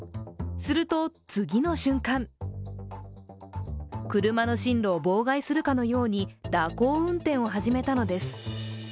すると、次の瞬間車の進路を妨害するかのように蛇行運転を始めたのです。